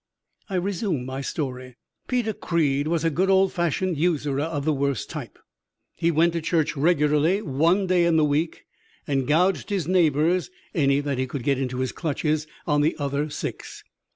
I resumed my story. "Peter Creed was a good old fashioned usurer of the worst type. He went to church regularly one day in the week and gouged his neighbors any that he could get into his clutches on the other six.